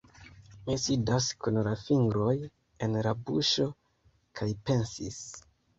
Mi sidas kun la fingroj en la buŝo kaj pensis